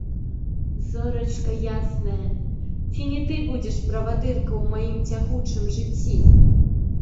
Зорачка ясная, ці не ты будзеш правадырка ў маім цягучым жыцці?